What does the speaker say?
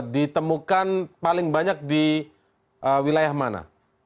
ditemukan paling banyak di wilayah mana